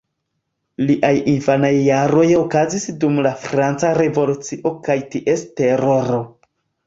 Liaj infanaj jaroj okazis dum la Franca revolucio kaj ties Teroro.